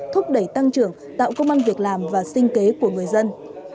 thúc đẩy tăng trưởng tạo công an việc làm và sinh kế của người dân